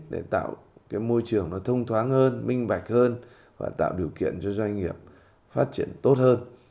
để tạo cái môi trường nó thông thoáng hơn minh bạch hơn và tạo điều kiện cho doanh nghiệp phát triển tốt hơn